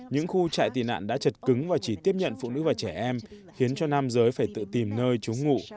những khu trại tị nạn đã chật cứng và chỉ tiếp nhận phụ nữ và trẻ em khiến cho nam giới phải tự tìm nơi trú ngụ